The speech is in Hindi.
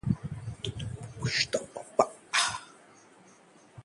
परंपरा प्यार व विश्वास की अयोध्या